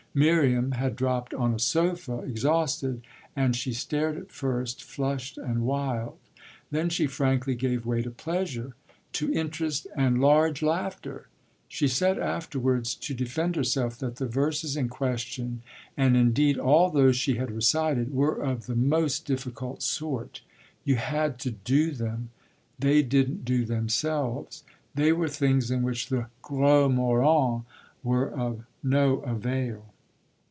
Miriam had dropped on a sofa, exhausted, and she stared at first, flushed and wild; then she frankly gave way to pleasure, to interest and large laughter. She said afterwards, to defend herself, that the verses in question, and indeed all those she had recited, were of the most difficult sort: you had to do them; they didn't do themselves they were things in which the gros moyens were of no avail.